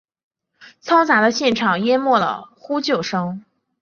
嘈杂的现场淹没了呼救声。